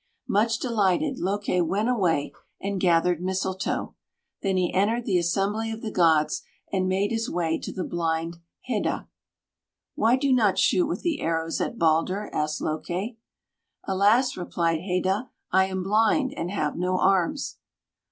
Much delighted, Loake went away and gathered mistletoe. Then he entered the assembly of the gods and made his way to the blind Heda. "Why do you not shoot with the arrows at Balder?" asked Loake. "Alas," replied Heda, "I am blind and have no arms."